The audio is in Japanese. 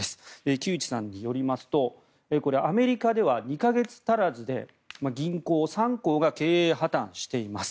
木内さんによりますとアメリカでは２か月足らずで銀行３行が経営破たんしています。